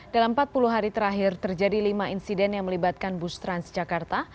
dalam empat puluh hari terakhir terjadi lima insiden yang melibatkan bus transjakarta